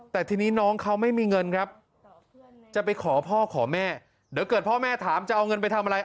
แต่ทีนี้น้องเขาไม่มีเงินครับจะไปขอพ่อขอแม่เดี๋ยวเกิดพ่อแม่ถามจะเอาเงินไปทำอะไร